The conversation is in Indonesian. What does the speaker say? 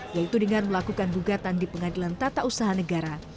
yaitu dengan melakukan gugatan di pengadilan tata usaha negara